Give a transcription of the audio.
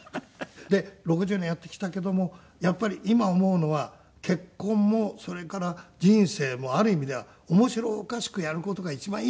で６０年やってきたけどもやっぱり今思うのは結婚もそれから人生もある意味では面白おかしくやる事が一番いいと思うんですよ。